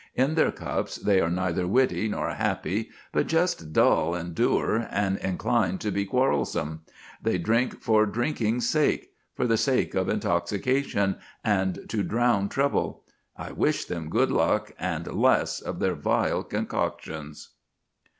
In their cups they are neither witty nor happy, but just dull and dour and inclined to be quarrelsome. They drink for drinking's sake, for the sake of intoxication, and to drown trouble. I wish them good luck and less of their vile concoctions!